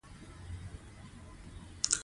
کندز سیند د افغانستان یو طبعي ثروت دی.